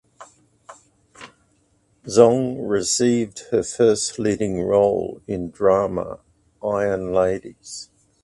Zhong received her first leading role in drama "Iron Ladies".